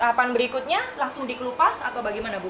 tahapan berikutnya langsung dikelupas atau bagaimana bu